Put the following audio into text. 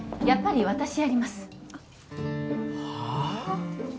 やっぱり私やりますはあ？